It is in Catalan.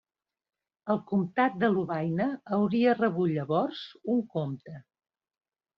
El comtat de Lovaina hauria rebut llavors un comte.